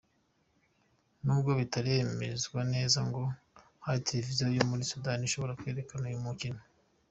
Nubwo bitaremezwa neza, ngo hari televiziyo yo muri Sudani ishobora kwerekana uyu mukino.